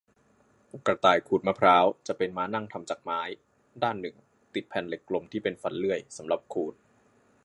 กระต่ายขูดมะพร้าว จะเป็นม้านั่งทำจากไม้ ด้านหนึ่งติดแผ่นเหล็กกลมที่เป็นฟันเลื่อย สำหรับขูด